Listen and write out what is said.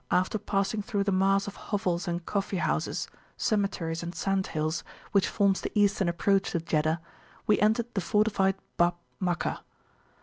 after passing through the mass of hovels and coffee houses, cemeteries and sand hills, which forms the eastern approach to Jeddah, we entered the fortified Bab Makkah.